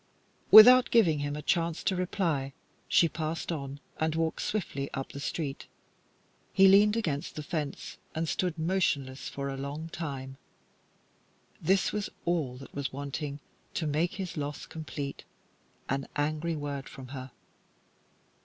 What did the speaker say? Without giving him a chance to reply, she passed on and walked swiftly up the street. He leaned against the fence, and stood motionless for a long time. That was all that was wanting to make his loss complete an angry word from her.